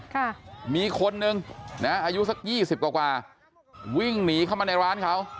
ค่ะมีคนนึงนะอายุสักยี่สิบกว่ากว่าวิ่งหนีเข้ามาในร้านเขา